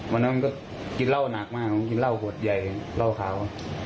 วันนั้นก็กินเหล้าหนักมากผมกินเหล้าหดใหญ่เหล้าขาว